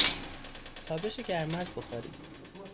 تابش گرما از بخاری